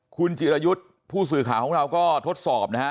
คุณจิรยุทธ์ผู้สื่อข่าวของเราก็ทดสอบนะฮะ